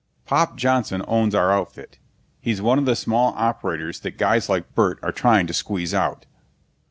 Pop Johnson owns our outfit. He's one of the small operators that guys like Burt are trying to squeeze out.